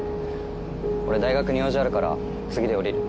俺大学に用事あるから次で降りる。